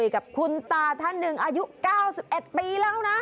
กับคุณตาท่านหนึ่งอายุ๙๑ปีแล้วนะ